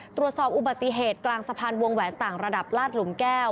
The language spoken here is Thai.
ตรวจสอบอุบัติเหตุกลางสะพานวงแหวนต่างระดับลาดหลุมแก้ว